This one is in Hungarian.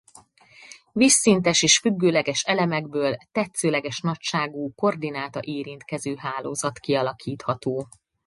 Vízszintes és függőleges elemekből tetszőleges nagyságú koordináta érintkező hálózat kialakítható.